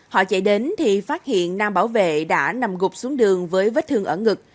họ chạy đến thì phát hiện nam bảo vệ đã nằm gục xuống đường với vết thương ở ngực